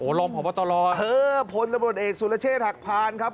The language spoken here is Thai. โอ้ลองหอบว่าตลอดเฮ้อพลละบรดเอกสุลเชษหักพานครับ